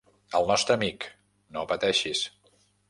El nostre amic, no pateixis!